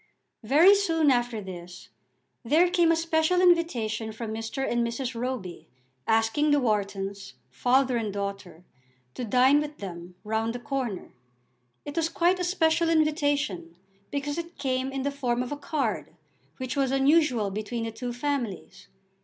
Very soon after this there came a special invitation from Mr. and Mrs. Roby, asking the Whartons, father and daughter, to dine with them round the corner. It was quite a special invitation, because it came in the form of a card, which was unusual between the two families.